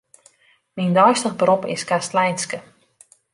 Myn deistich berop is kastleinske.